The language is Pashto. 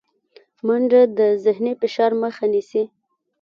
منډه د ذهني فشار مخه نیسي